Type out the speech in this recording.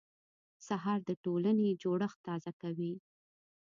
سهار د ټولنې جوړښت تازه کوي.